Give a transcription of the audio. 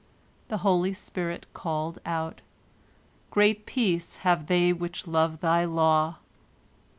The holy spirit called out, "Great peace have they which love thy law!"